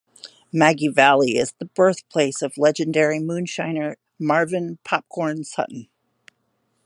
Maggie Valley is the birthplace of legendary moonshiner Marvin "Popcorn" Sutton.